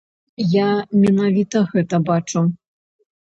Я менавіта гэта бачу.